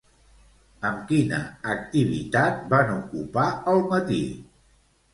Amb quina activitat van ocupar el matí?